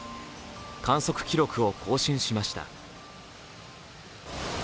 観測記録を更新しました。